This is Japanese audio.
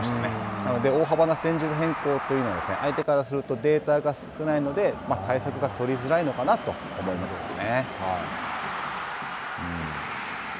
なので、大幅な戦術変更というのは、相手からすると、データが少ないので、対策が取りづらいのかなと思いますよね。